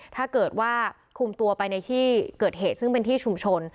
ถ้าเกิดว่าคุมตัวไปในที่เกิดเหตุซึ่งเป็นที่ชุมชน